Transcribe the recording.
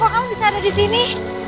kok kamu bisa ada disini